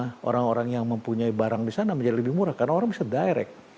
dan cost nya orang orang yang mempunyai barang di sana menjadi lebih murah karena orang bisa direct